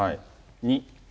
２。